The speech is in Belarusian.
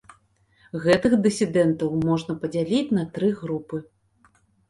Гэтых дысідэнтаў можна падзяліць на тры групы.